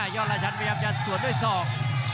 อดราชันพยายามจะสวนด้วยศอก